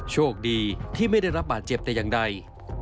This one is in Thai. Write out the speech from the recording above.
โชคดีที่ไม่ได้รับบาดเจ็บแต่อย่างใด